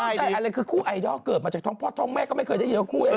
แต่อะไรคือคู่ไอดอลเกิดมาจากท้องพ่อท้องแม่ก็ไม่เคยได้ยินว่าคู่อะไร